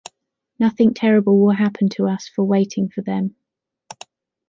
Nothing terrible will happen to us for waiting for them.